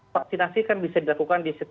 vaksinasi kan bisa dilakukan di setiap